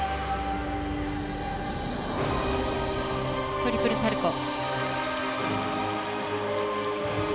トリプルサルコウ。